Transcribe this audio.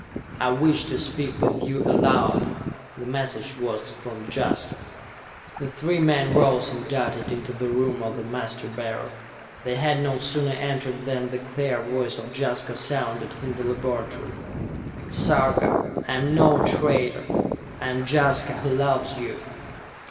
"I wish to speak with you aloud!" The message was from Jaska! The three men rose and darted into the room of the Master Beryl. They had no sooner entered than the clear voice of Jaska sounded in the laboratory. "Sarka, I am no traitor! I am Jaska, who loves you!